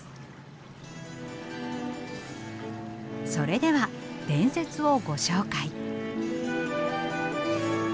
それでは伝説をご紹介。